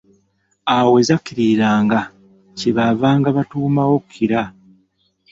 Awo we zakkiririranga, kye baavanga batuumawo Kira.